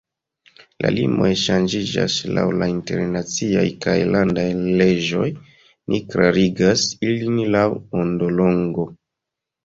La limoj ŝanĝiĝas laŭ la internaciaj kaj landaj leĝoj, ni klarigas ilin laŭ ondolongo.